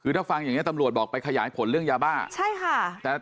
คือถ้าฟังอย่างนี้ตำรวจบอกไปขยายผลเรื่องยาบ้าใช่ค่ะ